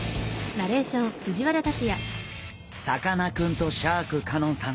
さかなクンとシャーク香音さん